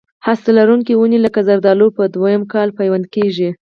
هسته لرونکي ونې لکه زردالو په دوه یم کال پیوند کېږي.